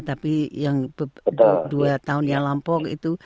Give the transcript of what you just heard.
tapi yang dua tahun yang lampok itu